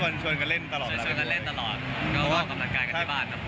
ชวนกันเล่นตลอดชวนกันเล่นตลอดก็ออกกำลังกายกันที่บ้านครับผม